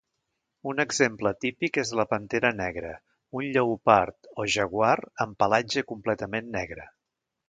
Un exemple típic és la 'pantera negra': un lleopard o jaguar amb pelatge completament negre.